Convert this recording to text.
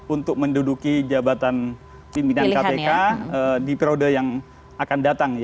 untuk menduduki jabatan pimpinan kpk di periode yang akan datang